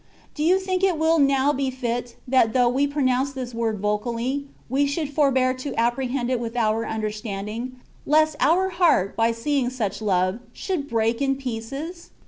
Do you think it will now be fit, that though we pronounce this word vocally, we should forbear to apprehend it with our under standing, lest our heart, by seeing siich love, should break in pieces